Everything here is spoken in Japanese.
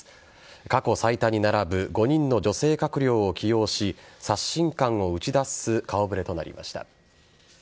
過去最多に並ぶ５人の女性閣僚を起用し刷新感を打ち出す顔触れとなりました。